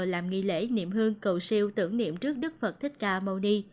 làm nghi lễ niệm hương cầu siêu tưởng niệm trước đức phật thích ca mâu ni